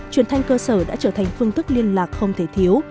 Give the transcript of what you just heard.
truyền thanh cơ sở đã trở thành phương thức liên lạc không thể thiếu